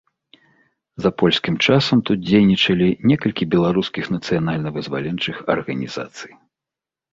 За польскім часам тут дзейнічалі некалькі беларускіх нацыянальна-вызваленчых арганізацый.